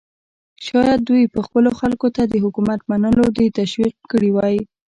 شاید دوی به خپلو خلکو ته د حکومت منلو ته تشویق کړي وای.